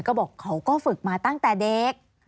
ก็บอกเขาก็ฝึกมาตั้งแต่เด็ก